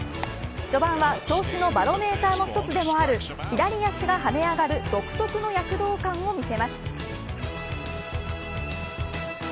序盤は、調子のバロメーターの一つでもある左足が跳ね上がる・はいいらっしゃいませ！